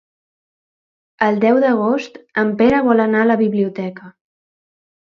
El deu d'agost en Pere vol anar a la biblioteca.